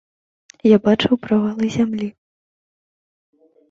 Я бачыў правалы зямлі.